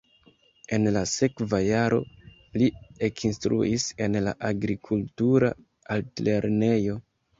En la sekva jaro li ekinstruis en la agrikultura altlernejo.